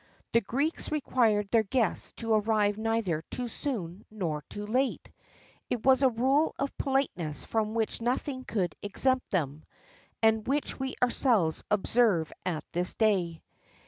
The Greeks required their guests to arrive neither too soon nor too late. It was a rule of politeness from which nothing could exempt them,[XXXIV 2] and which we ourselves observe at this day.